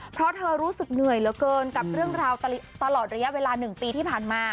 เพราะเธอรู้สึกเหนื่อยเหลือเกินกับเรื่องราวตลอดระยะเวลา๑ปีที่ผ่านมา